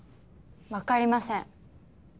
わかりません。